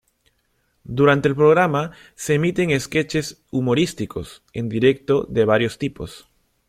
Durante el programa se emiten sketches humorísticos en directo de varios tipos.